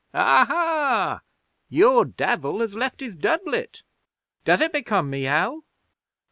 '"Aha! Your Devil has left his doublet! Does it become me, Hal?"